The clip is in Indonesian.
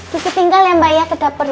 kiki tinggal ya mbak ya ke dapur ya